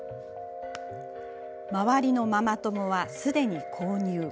周りのママ友は、すでに購入。